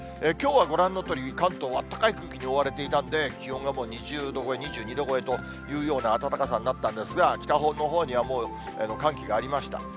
きょうはご覧のとおり、関東、あったかい空気に覆われていたんで、気温が２０度超え、２２度超えというような暖かさになったんですが、北のほうにはもう寒気がありました。